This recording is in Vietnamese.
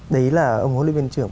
đấy là ông hồ lý viên trưởng